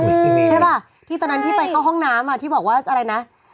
มีชีวิตใช่ป่ะที่ตอนนั้นที่ไปเข้าห้องน้ำอ่ะที่บอกว่าอะไรนะ